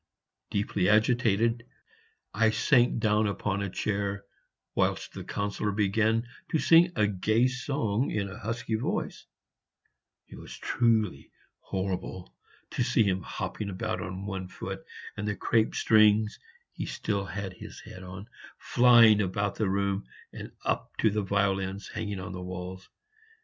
Deeply agitated, I sank down upon a chair, whilst the Councillor began to sing a gay song in a husky voice; it was truly horrible to see him hopping about on one foot, and the crape strings (he still had his hat on) flying about the room and up to the violins hanging on the walls.